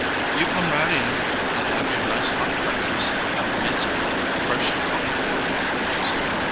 "You come right in and have your nice hot breakfast. I ve made some fresh coffee for you," she said.